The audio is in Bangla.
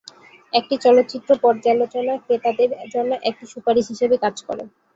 একটি চলচ্চিত্র পর্যালোচনা ক্রেতাদের জন্য একটি সুপারিশ হিসেবে কাজ করে।